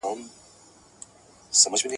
لا یې نه وه وزرونه غوړولي `